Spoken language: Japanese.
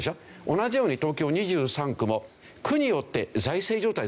同じように東京２３区も区によって財政状態が随分違うんですね。